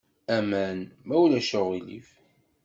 Aman, ma ulac aɣilif.